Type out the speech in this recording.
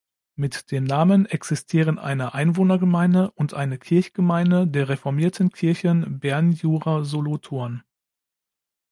Mit dem Namen existieren eine Einwohnergemeinde und eine Kirchgemeinde der Reformierten Kirchen Bern-Jura-Solothurn.